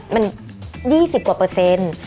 มัน๒๐กว่าเปอร์เซ็นต์